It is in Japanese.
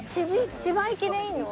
千葉行きでいいの？